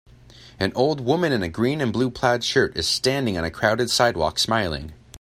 An old woman in a green and blue plaid shirt is standing on a crowded sidewalk smiling.